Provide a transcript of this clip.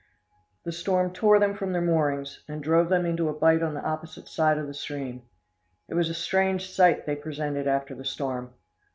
The storm tore them from their moorings, and drove them into a bight on the opposite side of the stream. It was a strange sight they presented after the storm.